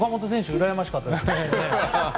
うらやましかったです。